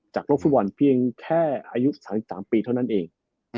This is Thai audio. จากโรคฟื้นวันเพียงแค่อายุ๓๓ปีเท่านั้นเอง